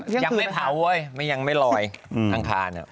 ยังไม่เผาเว้ยไม่ยังไม่ลอยอังคาร